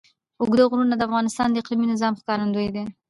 اوږده غرونه د افغانستان د اقلیمي نظام ښکارندوی ده.